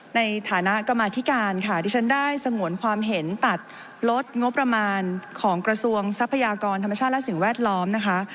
ในฐานะกรรมาธิการค่ะที่ฉันได้สงวนความเห็นตัดลดงบประมาณของกระทรวงทรัพยากรธรรมชาติและสิ่งแวดล้อมนะคะ